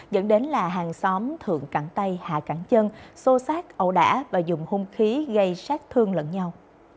dẫn đến là hàng xóm thượng cặn tay hạ cẳng chân xô xát ẩu đả và dùng hung khí gây sát thương lẫn nhau